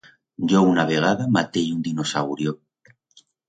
Yo una vegada matei un dinosaurio.